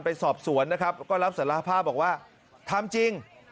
ไปสอบสวนนะครับก็รับสารภาพบอกว่าทำจริง